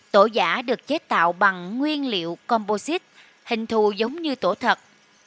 tổ giả được chế tạo bằng nguyên liệu composite hình thù giống như tổ thật